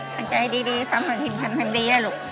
ต่างไก่ดีทำเหมือนอิ่มทำเหมือนดีอะลูก